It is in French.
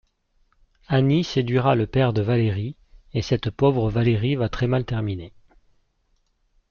Annie séduira le père de Valérie et cette pauvre Valérie va très mal terminer.